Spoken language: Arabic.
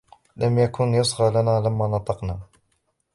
لم يكن يصغى لنا لما نطقنا